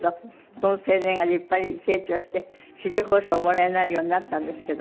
その青年が立派に成長して紫綬褒章をおもらいになるようになったんですけど。